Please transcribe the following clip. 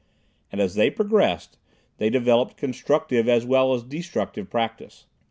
And as they progressed, they developed constructive as well as destructive practice.